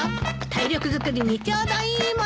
体力づくりにちょうどいいもの！